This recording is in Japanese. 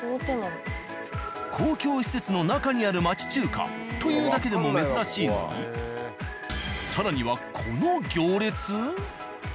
公共施設の中にある町中華というだけでも珍しいのに更にはこの行列？